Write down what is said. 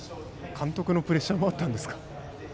監督のプレッシャーもあったんですか？